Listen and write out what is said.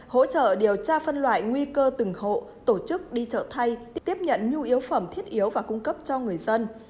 hỗ trợ điều tra phân loại nguy cơ từng hộ tổ chức đi chợ thay tiếp nhận nhu yếu phẩm thiết yếu và cung cấp cho người dân